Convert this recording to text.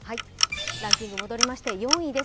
ランキング戻りまして４位です。